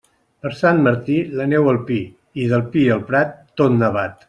Per Sant Martí, la neu al pi, i del pi al prat, tot nevat.